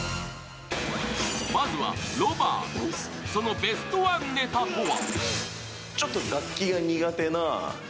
まずはロバート、そのベストワンネタとは。